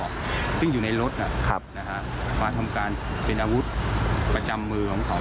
เดอร์ฟะโรธมาทำการเป็นอาวุธประจำมือของเขา